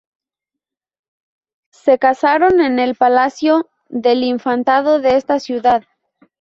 Se casaron en el Palacio del Infantado de esta ciudad.